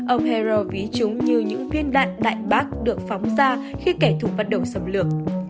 ông hero ví chúng như những viên đạn đại bác được phóng ra khi kẻ thù bắt đầu xâm lược